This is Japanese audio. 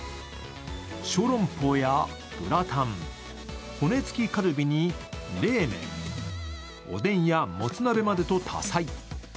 ショーロンポーやグラタン、骨付きカルビに冷麺、おでんやもつ鍋までと多彩。